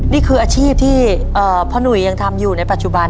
นี่คืออาชีพที่พ่อหนุ่ยยังทำอยู่ในปัจจุบัน